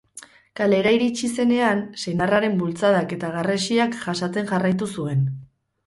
Kalera iritsi zenean, senarraren bultzadak eta garrasiak jasaten jarraitu zuen.